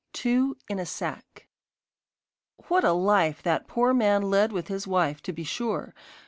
TWO IN A SACK What a life that poor man led with his wife, to be sure!